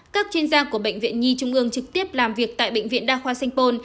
các chuyên gia của bệnh viện nhi trung ương trực tiếp làm việc tại bệnh viện đa khoa sanh pôn